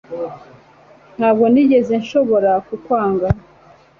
Ntabwo nigeze nshobora kukwanga